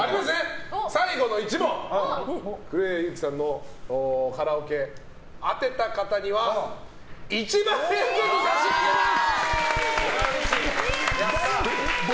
最後の１問クレイ勇輝さんのカラオケ当てた方には１万円ずつ差し上げます！